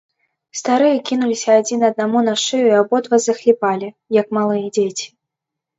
Старыя кінуліся адзін аднаму на шыю і абодва захліпалі, як малыя дзеці.